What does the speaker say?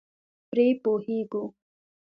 پرې پوهېږو.